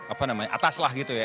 apa namanya atas lah gitu ya